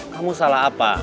kamu salah apa